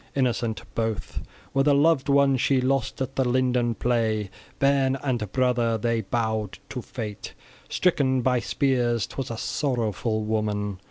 {16f} Innocent both were the loved ones she lost at the linden play, bairn and brother, they bowed to fate, stricken by spears; 'twas a sorrowful woman!